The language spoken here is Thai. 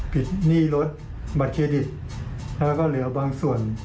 หนี้รถบัตรเครดิตแล้วก็เหลือบางส่วน